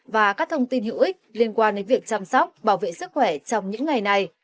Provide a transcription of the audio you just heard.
và các thông tin hữu ích liên quan đến việc chăm sóc bảo vệ sức khỏe trong những ngày này